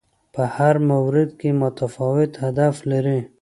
په هر مورد کې متفاوت هدف لري